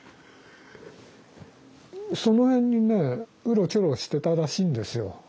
その辺にねうろちょろしてたらしいんですよ。